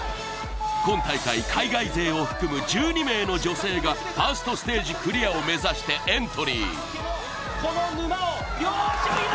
今大会、海外勢を含む１２名の女性がファーストステージクリアを目指してエントリー。